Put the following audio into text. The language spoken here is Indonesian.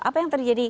apa yang terjadi